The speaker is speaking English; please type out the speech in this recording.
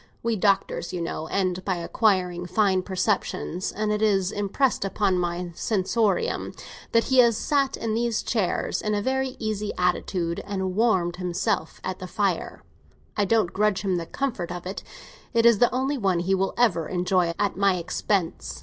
We doctors, you know, end by acquiring fine perceptions, and it is impressed upon my sensorium that he has sat in these chairs, in a very easy attitude, and warmed himself at that fire. I don't grudge him the comfort of it; it is the only one he will ever enjoy at my expense.